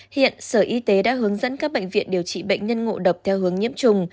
hiện sở y tế đã hướng dẫn các bệnh viện điều trị bệnh nhân ngộ độc theo hướng nhiễm trùng